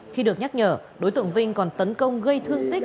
khi được nhắc nhở đối tượng vinh còn tấn công gây thương tích